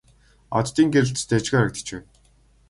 Оддын гэрэлд тэр дажгүй харагдаж байв.